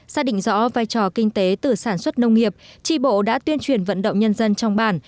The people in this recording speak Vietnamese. xác định rõ vai trò kinh tế từ sản xuất nông nghiệp tri bộ đã tuyên truyền vận động nhân dân trong bản